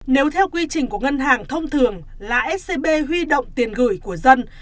nếu theo quy trình của ngân hàng thông thường là scb huy động tiền gửi của dân